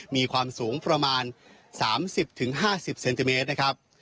มีความสูงประมาณ๓๐๕๐เซนติเมตรนะครับ